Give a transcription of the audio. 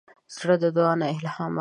زړه د دعا نه الهام اخلي.